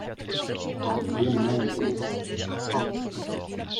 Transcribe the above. Il est malheureux